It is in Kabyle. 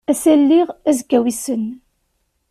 Ass-a lliɣ, azekka wissen.